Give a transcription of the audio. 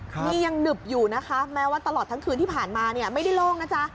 นี่ยังหนึบอยู่นะคะแม้ว่าตลอดทั้งคืนที่ผ่านมาเนี่ยไม่ได้โล่งนะจ๊ะ